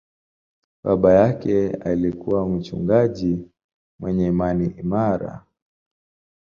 Baba yake alikuwa mchungaji mwenye imani imara.